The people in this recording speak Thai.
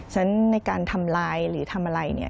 ฉะนั้นในการทำลายหรือทำอะไรเนี่ย